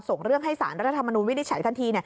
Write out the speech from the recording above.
ส่งเรื่องให้สารรัฐธรรมนูลวินิจฉัยทันที